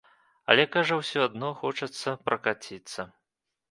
Але, кажа, усё адно хочацца пракаціцца.